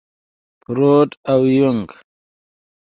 فروډ او يونګ.